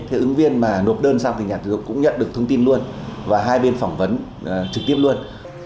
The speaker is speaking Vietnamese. thế ứng viên mà nộp đơn xong thì nhà tuyển dụng cũng nhận được thông tin luôn và hai bên phỏng vấn trực tiếp luôn